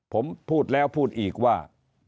ผมพูดแล้วพูดอีกว่า